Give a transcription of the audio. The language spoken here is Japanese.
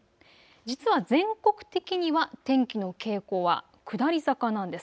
実は全国的には天気の傾向は下り坂なんです。